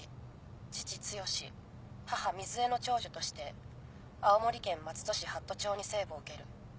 父毅母瑞江の長女として青森県松土市八斗町に生をうける。